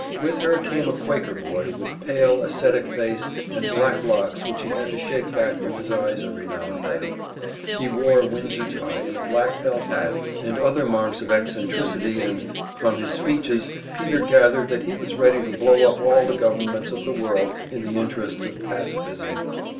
With her came a Quaker boy with pale, ascetic face and black locks which he had to shake back from his eyes every now and then; he wore a Windsor tie, and a black felt hat, and other marks of eccentricity and from his speeches Peter gathered that he was ready to blow up all the governments of the world in the interests of Pacificism.